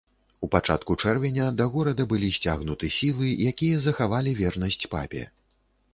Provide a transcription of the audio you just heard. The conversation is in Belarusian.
У пачатку чэрвеня да горада былі сцягнуты сілы, якія захавалі вернасць папе.